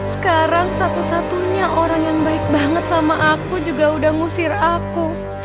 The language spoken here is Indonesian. sekarang satu satunya orang yang baik banget sama aku juga udah ngusir aku